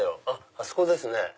あそこですね。